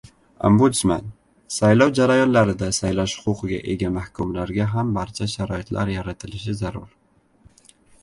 Ombudsman: saylov jarayonlarida saylash huquqiga ega mahkumlarga ham barcha sharoitlar yaratilishi zarur